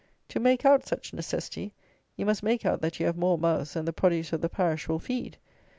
To make out such necessity, you must make out that you have more mouths than the produce of the parish will feed.